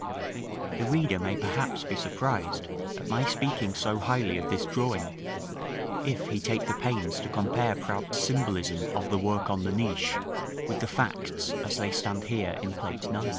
§ V. The reader may perhaps be surprised at my speaking so highly of this drawing, if he take the pains to compare Prout's symbolism of the work on the niche with the facts as they stand here in Plate IX.